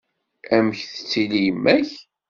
Amek tettili yemma-k?